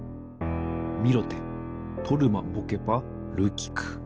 ミロテトルマボケパルキク。